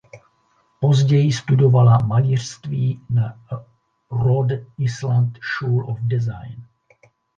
Později studovala malířství na Rhode Island School of Design.